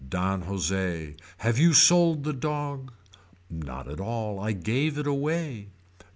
Don Jose. Have you sold the dog. Not at all I gave it away.